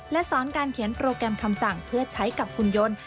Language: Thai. และสอนการเขียนโปรแกรมคำสั่งเพื่อใช้กับหุ่นยนต์